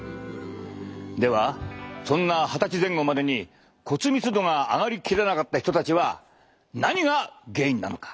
ではそんな二十歳前後までに骨密度が上がり切らなかった人たちは何が原因なのか？